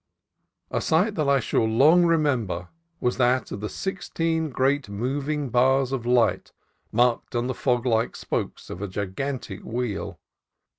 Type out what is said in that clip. A sight that I shall long remember was that of the sixteen great moving bars of light marked on the fog like spokes of a gigantic wheel.